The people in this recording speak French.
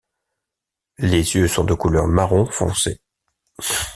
Les yeux sont de couleur marron foncé.